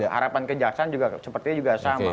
harapan kejaksaan juga sepertinya juga sama